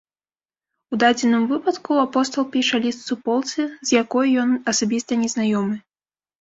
У дадзеным выпадку апостал піша ліст суполцы, з якой ён асабіста незнаёмы.